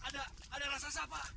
ada rasa rasa pak